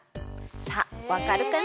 さあわかるかな？